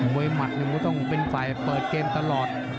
หมัดมันต้องเป็นฝ่ายเปิดเกมตลอด